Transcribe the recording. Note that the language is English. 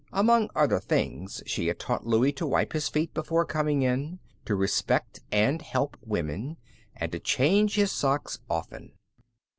Among other things she had taught Louie to wipe his feet before coming in, to respect and help women, and to change his socks often.